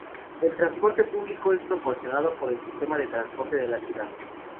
El transporte público es proporcionado por el sistema de transporte de la ciudad.